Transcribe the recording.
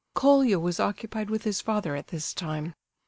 Colia was occupied with his father at this time.